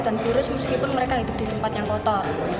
dan virus meskipun mereka hidup di tempat yang kotor